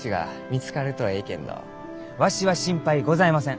わしは心配ございません。